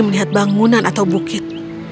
melihat bangunan atau bukit